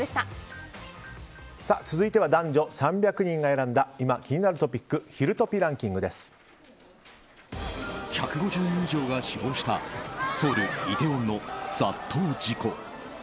続いては男女３００人が選んだ今気になるトピック１５０人以上が死亡したソウル・イテウォンの雑踏事故。